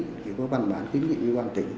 thì có bàn bán kiến nghị với ban tỉnh